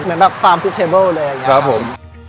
เหมือนแบบฟาร์มทุกเทเบิลเลยอย่างนี้ครับผม